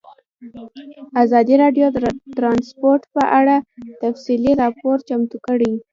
ازادي راډیو د ترانسپورټ په اړه تفصیلي راپور چمتو کړی.